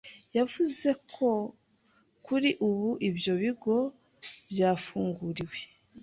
Yavuze ko kuri ubu ibyo bigo byafunguriwe